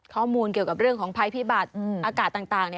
ข้อมูลเกี่ยวกับเรื่องของภัยพิบัติอากาศต่าง